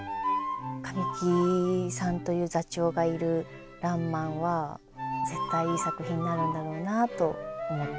神木さんという座長がいる「らんまん」は絶対いい作品になるんだろうなと思っています。